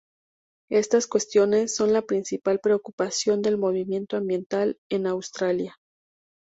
Estas cuestiones son la principal preocupación del movimiento ambiental en Australia.